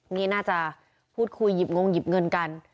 นี่น่าจะพูดคุยหยิบงงหยิบเงินกัน